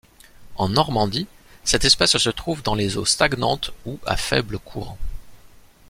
En Normandie, cette espèce se trouve dans les eaux stagnantes ou à faible courant.